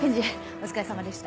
お疲れさまでした。